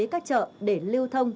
các chợ để lưu thông